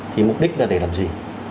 thì mục đích là để làm gì